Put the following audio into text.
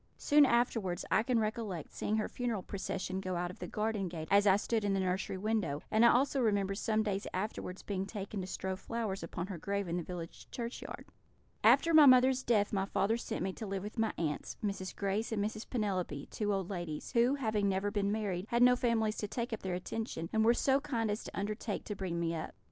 Soon afterwards I can recollect seeing her funeral procession go out of the garden gate as I stood in the nursery window; and I also remember some days afterwards being taken to strew flowers upon her grave in the village churchyard. "After my mother's death my father sent me to live with my aunts, Mrs. Grace and Mrs. Penelope, two old ladies, who, having never been married, had no families to take up their attention, and were so kind as to undertake to bring me up.